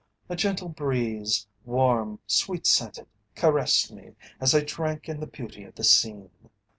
A gentle breeze, warm, sweet scented, caressed me as I drank in the beauty of the scene.